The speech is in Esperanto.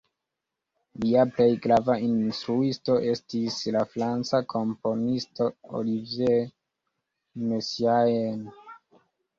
Lia plej grava instruisto estis la franca komponisto Olivier Messiaen.